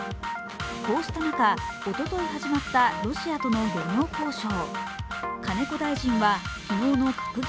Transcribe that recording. こうした中、おととい始まったロシアとの漁業交渉。